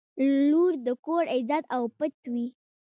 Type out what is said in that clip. • لور د کور عزت او پت وي.